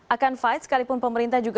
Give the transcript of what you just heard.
akan fight sekalipun pemerintah juga